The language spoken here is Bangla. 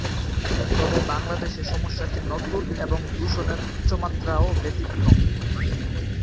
তবে বাংলাদেশে সমস্যাটি নতুন এবং দূষণের উচ্চমাত্রাও ব্যতিক্রম।